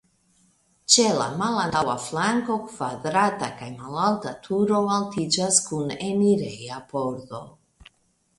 Ĉe la malantaŭa flanko kvadrata kaj malalta turo altiĝas kun enireja pordo.